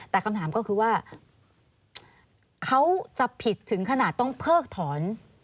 แต่คำถามก็คือว่าเขาจะผิดถึงขนาดต้องเพิกถอน